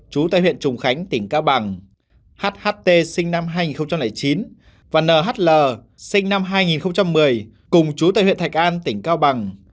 chú tại huyện trùng khánh tỉnh cao bằng hht sinh năm hai nghìn chín và nhl sinh năm hai nghìn một mươi cùng chú tại huyện thạch an tỉnh cao bằng